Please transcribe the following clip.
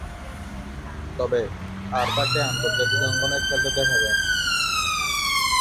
তবে, আর তাকে আন্তর্জাতিক অঙ্গনে খেলতে দেখা যায়নি।